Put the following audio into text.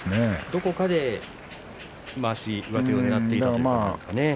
どこかで、まわしをねらっていたということですかね。